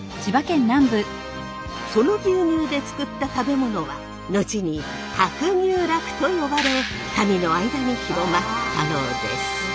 その牛乳で作った食べ物は後に白牛酪と呼ばれ民の間に広まったのです。